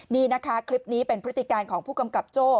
นี่นะคะคลิปนี้เป็นพฤติการของผู้กำกับโจ้